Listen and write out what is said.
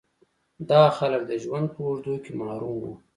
دا خلک د ژوند په اوږدو کې محروم وو.